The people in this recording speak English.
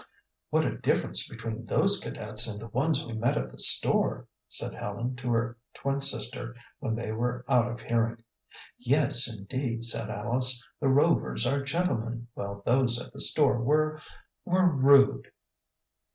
"What a difference between those cadets and the ones we met at the store," said Helen to her twin sister when they were out of hearing. "Yes, indeed," said Alice. "The Rovers are gentlemen, while those at the store were were rude."